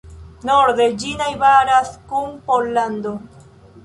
Norde ĝi najbaras kun Pollando.